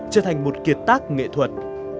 trở thành một kiệt tác nghệ thuật